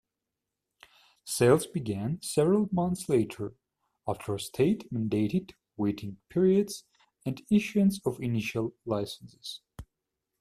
Sales began several months later, after state-mandated waiting periods and issuance of initial licenses.